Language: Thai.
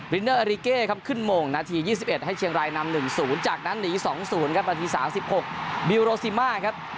เนอร์อาริเก้ครับขึ้นโมงนาที๒๑ให้เชียงรายนำ๑๐จากนั้นหนี๒๐ครับนาที๓๖บิลโรซิมาครับ